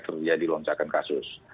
terjadi lonjakan kasus